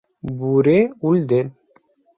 Бүре үлде!